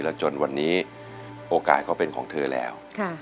แล้วจนวันนี้โอกาสเขาเป็นของเธอแล้ว